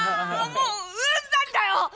もううんざりだよ！